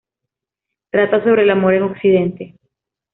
Trata sobre el amor en Occidente.